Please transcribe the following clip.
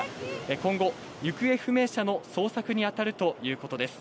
今後、行方不明者の捜索に当たるということです。